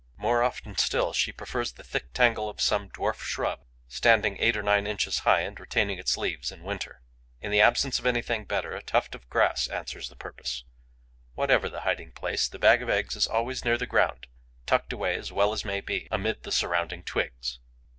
More often still, she prefers the thick tangle of some dwarf shrub, standing eight or nine inches high and retaining its leaves in winter. In the absence of anything better, a tuft of grass answers the purpose. Whatever the hiding place, the bag of eggs is always near the ground, tucked away as well as may be, amid the surrounding twigs.